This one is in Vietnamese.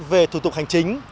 về thủ tục hành chính